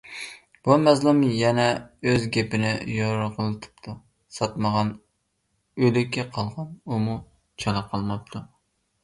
بۇ مەزلۇم يەنە ئۆز گېپىنى يورغىلىتىپتۇ. ساتمىغان ئۆلىكى قالغان، ئۇمۇ چالا قالماپتۇ.